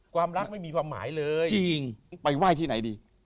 ความรักไม่มีความหมายเลยจริงไปไหว้ที่ไหนดี